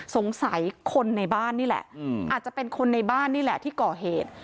สงสัยคนในบ้านนี่แหละอาจจะเป็นคนในบ้านนี่แหละที่ก่อเหตุ